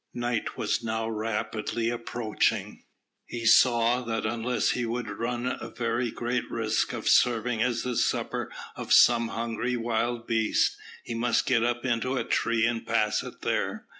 Night was now rapidly approaching. He saw that unless he would run a very great risk of serving as the supper of some hungry wild beast, he must get up into a tree and pass it there.